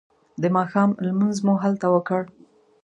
د ماښام لمونځ مو هلته وکړ.